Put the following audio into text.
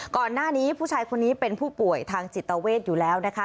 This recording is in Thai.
ก่อนหน้านี้ผู้ชายคนนี้เป็นผู้ป่วยทางจิตเวทอยู่แล้วนะคะ